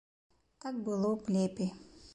Так было б лепей.